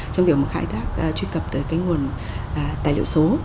trong việc khai thác truy cập tới cái nguồn tài liệu số